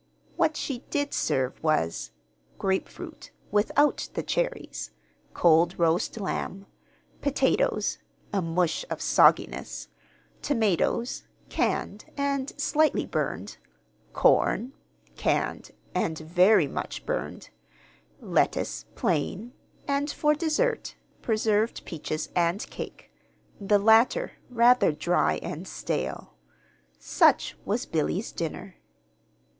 What she did serve was: grapefruit (without the cherries), cold roast lamb, potatoes (a mush of sogginess), tomatoes (canned, and slightly burned), corn (canned, and very much burned), lettuce (plain); and for dessert, preserved peaches and cake (the latter rather dry and stale). Such was Billy's dinner.